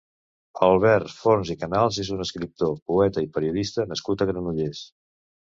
Albert Forns i Canal és un escriptor, poeta i periodista nascut a Granollers.